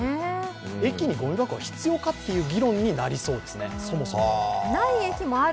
駅にごみ箱は必要かという議論になりそうですね、そもそも。